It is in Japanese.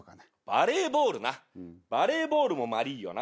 バレーボールなバレーボールもまりぃよな。